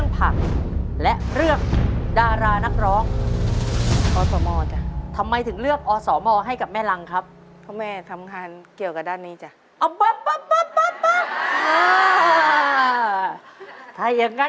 ถ้าอย่างนั้นคงจะไม่ยากนะ